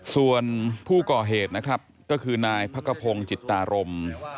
ส่วนผู้ก่อเหตุนะครับก็คือนายพักกระพงศ์จิตตารม